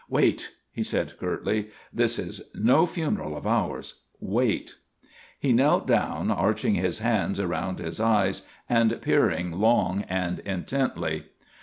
"Wait," he said, curtly. "This is no funeral of ours. Wait." He knelt down, arching his hands around his eyes and peering long and intently.